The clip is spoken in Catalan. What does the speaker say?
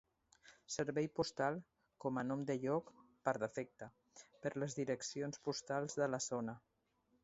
Servei Postal com a nom de lloc "per defecte" per les direccions postals de la zona.